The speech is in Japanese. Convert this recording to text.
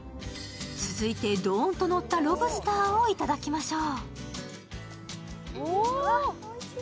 続いてドーンとのったロブスターを頂きましょう。